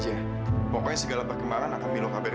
aku punya ide